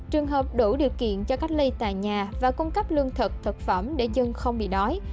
trường hợp đủ điều kiện cho cách ly tại nhà và cung cấp lương thực thực phẩm để dân không bị đói